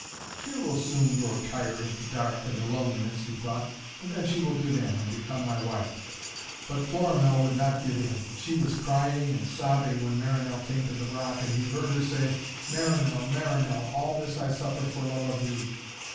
'She will soon grow tired of the dark and the loneliness,' he thought, 'and then she will give in, and become my wife.' But Florimell would not give in. She was crying and sobbing when Marinell came to the rock, and he heard her say, 'Marinell, Marinell, all this I suffer for love of thee.'